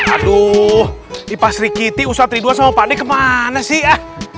aduh ini pasri kiti ustadz ridwan sama pak dik kemana sih